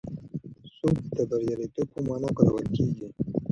سوب د بریالیتوب په مانا کارول کېږي.